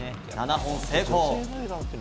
７本成功。